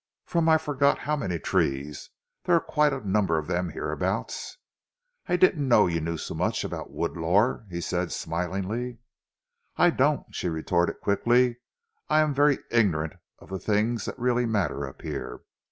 "From I forget how many trees. There are quite a number of them hereabouts." "I didn't know you knew so much of wood lore," he said smilingly. "I don't," she retorted, quickly. "I am very ignorant of the things that really matter up here.